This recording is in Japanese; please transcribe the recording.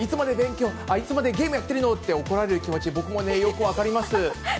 いつまでゲームやってるのって怒られる気持ち、僕もね、よく分かります。